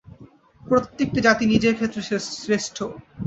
প্রত্যেকটি জাতি নিজের ক্ষেত্রে শ্রেষ্ঠ।